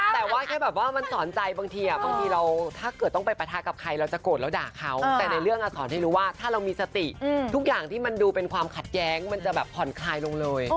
แต่ว่าแค่แบบว่ามันสอนใจบางทีบางทีเราถ้าเกิดต้องไปปะทะกับใครเราจะโกรธแล้วด่าเขาแต่ในเรื่องสอนให้รู้ว่าถ้าเรามีสติทุกอย่างที่มันดูเป็นความขัดแย้งมันจะแบบผ่อนคลายลงเลย